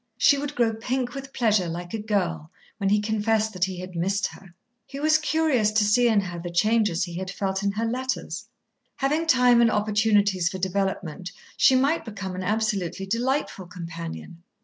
She would grow pink with pleasure, like a girl, when he confessed that he had missed her. He was curious to see in her the changes he had felt in her letters. Having time and opportunities for development, she might become an absolutely delightful companion.